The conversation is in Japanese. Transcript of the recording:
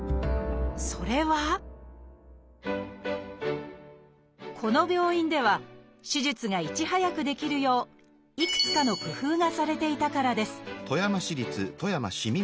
それはこの病院では手術がいち早くできるよういくつかの工夫がされていたからです